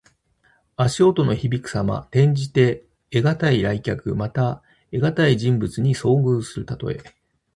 足音のひびくさま。転じて、得難い来客。また、得難い人物に遭遇するたとえ。